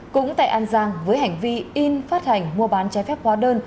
cũng tại an giang với hành vi in phát hành mua bán trái phép hóa đơn